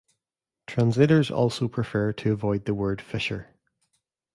Translators also prefer to avoid the word fisher.